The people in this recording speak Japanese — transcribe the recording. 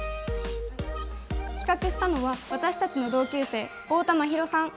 企画したのは私たちの同級生、太田万尋さん。